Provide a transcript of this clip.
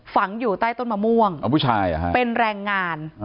ฝังอยู่ใต้ต้นมะม่วงเป็นแรงงาน